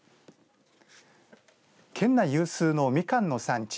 県内有数のみかんの産地